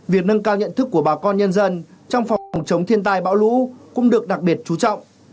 việc nâng cao nhận thức của bà con nhân dân trong phòng chống thiên tai bão lũ cũng được đặc biệt chú trọng